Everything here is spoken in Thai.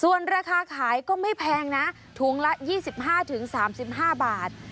ส่วนราคาขายก็ไม่แพงนะถุงละยี่สิบห้าถึงสามสิบห้าบาท